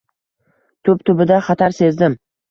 Tub- tubida xatar sezdim.